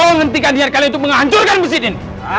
tunggu hentikan diarkali untuk menghancurkan mesir ini